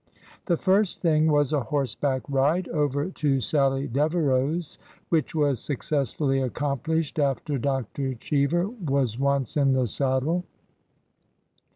The first thing was a horseback ride over to Sallie Devereau's, which was successfully accomplished after Dr. Cheever was once in the saddle.